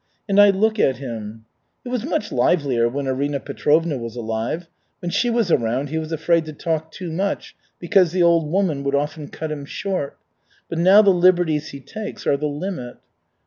And I look at him. It was much livelier when Arina Petrovna was alive. When she was around he was afraid to talk too much, because the old woman would often cut him short. But now the liberties he takes are the limit."